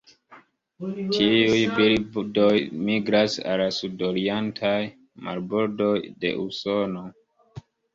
Tiuj birdoj migras al sudorientaj marbordoj de Usono.